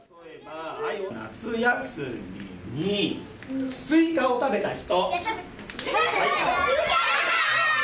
夏休みにスイカを食べた人。